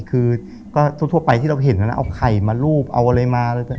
คือก็ทั่วไปที่เราเห็นนะเอาไข่มารูปเอาอะไรมา